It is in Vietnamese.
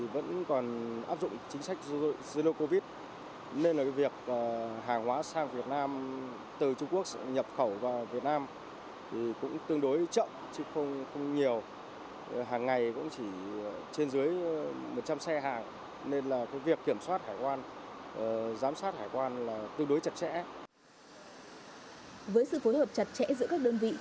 với sự phối hợp chặt chẽ giữa các đơn vị